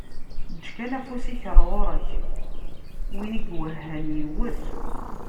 Eǧǧ kan afus-ik ɣur-k, win i iwehhan yewwet.